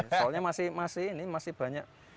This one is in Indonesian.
soalnya masih ini masih banyak